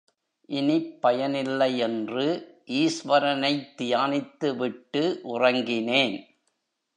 இனிப் பயனில்லை என்று ஈஸ்வரனைத் தியானித்துவிட்டு உறங்கினேன்.